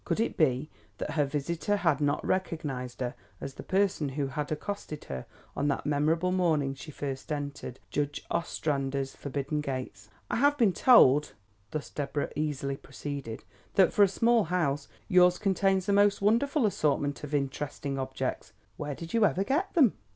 Could it be that her visitor had not recognised her as the person who had accosted her on that memorable morning she first entered Judge Ostrander's forbidden gates? "I have been told " thus Deborah easily proceeded, "that for a small house yours contains the most wonderful assortment of interesting objects. Where did you ever get them?"